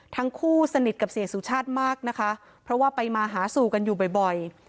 ทั้งคู่สนิทกับเสียสุชาติมากนะคะเพราะว่าไปมาหาสู่กันอยู่บ่อย